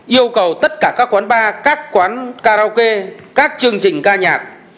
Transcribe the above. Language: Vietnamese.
yêu cầu tất cả các quán bar các quán karaoke các chương trình ca nhạc